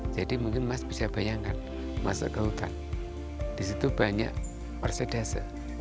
jadi mungkin mas bisa bayangkan masuk ke hutan di situ banyak orsidase